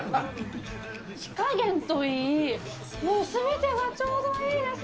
火加減といい、もうすべてがちょうどいいです。